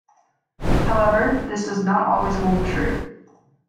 However, this does not always hold true.